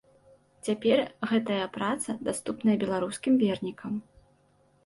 Цяпер гэтая праца даступная беларускім вернікам.